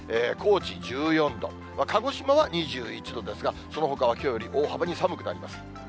高知１４度、鹿児島は２１度ですが、そのほかはきょうより大幅に寒くなります。